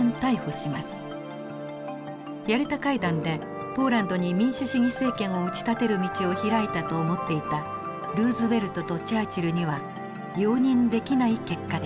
ヤルタ会談でポーランドに民主主義政権を打ち立てる道を開いたと思っていたルーズベルトとチャーチルには容認できない結果でした。